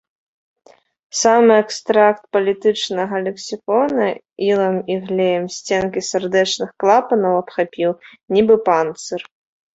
Самы экстракт палітычнага лексікона ілам і глеем сценкі сардэчных клапанаў абхапіў, нібы панцыр.